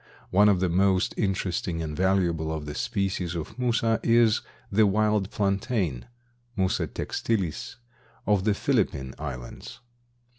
One of the most interesting and valuable of the species of Musa is the Wild Plantain (Musa textilis) of the Philippine Islands.